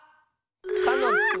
「か」のつく